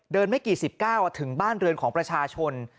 เดินไม่กี่สิบเก้าถึงบ้านเรือนของประชาชน